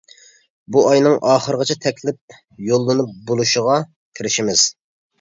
بۇ ئاينىڭ ئاخىرىغىچە تەكلىپ يوللىنىپ بولۇشىغا تىرىشىمىز.